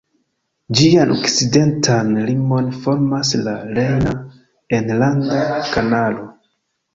Ĝian okcidentan limon formas la Rejna Enlanda Kanalo.